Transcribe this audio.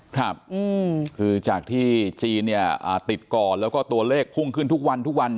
ครับคือจากที่จีนเนี่ยติดก่อนแล้วก็ตัวเลขพุ่งขึ้นทุกวันทุกวัน